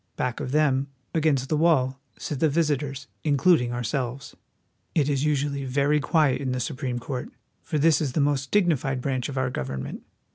Back of them, against the wall, sit the visitors, including ourselves. It is usually very quiet in the Supreme Court, for this is the most dignified branch of our government.